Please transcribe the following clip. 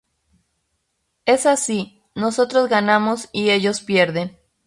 Es así: nosotros ganamos y ellos pierden.